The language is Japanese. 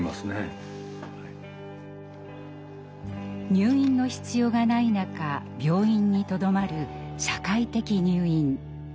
入院の必要がない中病院にとどまる社会的入院。